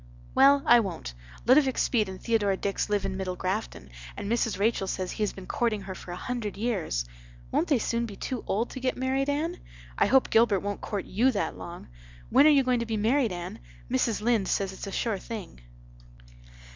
"Well, I won't. Ludovic Speed and Theodora Dix live in Middle Grafton and Mrs. Rachel says he has been courting her for a hundred years. Won't they soon be too old to get married, Anne? I hope Gilbert won't court you that long. When are you going to be married, Anne? Mrs. Lynde says it's a sure thing."